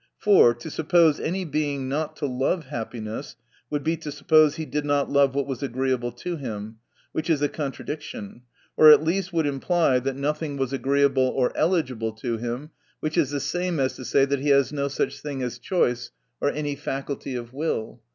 For, 302 THE NATURE OF VIRTUE to suppose any Being not to lo"e happiness, would be to suppose he did not love what was agreeable to him ; which is a contradiction : or at least would imply, that nothing was agreeable or eligible to him, which is the same as to say, that he has no such thing as choice, or any faculty of will.